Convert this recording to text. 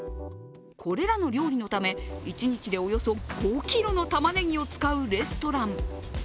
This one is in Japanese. これらの料理のため、一日でおよそ５ｋｇのたまねぎを使うレストラン。